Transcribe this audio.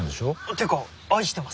ていうか愛してます。